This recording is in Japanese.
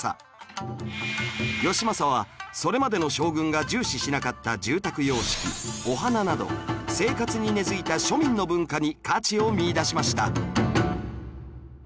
義政はそれまでの将軍が重視しなかった住宅様式お花など生活に根付いた庶民の文化に価値を見いだしました